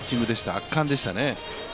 圧巻でしたね。